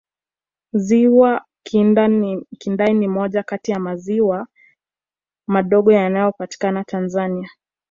ziwa kindai ni moja Kati ya maziwa madogo yanayopatikana tanzania